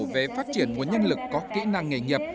về phát triển nguồn nhân lực có kỹ năng nghề nghiệp